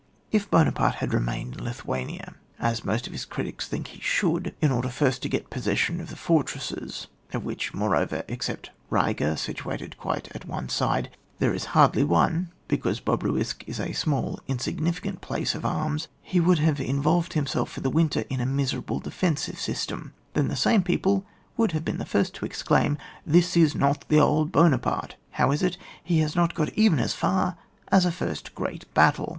If Buonaparte had remained in Lithu ania, as most of his critics think he should, in order first to get possession of the for tresses, of which, moreover, except Biga, situated quite at one side, there is hardly one, because Bobruisk is a small insig nificant place of arms, y he would have involved himself for the winter in a miserable defensive system: then the same people would have been the first to exclaim. This is not the old Buonaparte ! How is it, he has not got even as far as a first great battle?